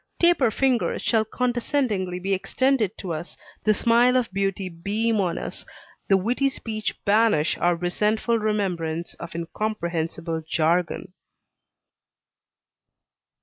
Taper fingers shall condescendingly be extended to us, the smile of beauty beam on us, and witty speech banish our resentful remembrance of incomprehensible jargon.